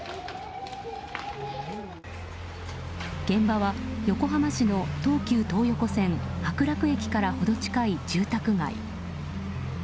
現場は、横浜市の東急東横線白楽駅から程近い住宅街。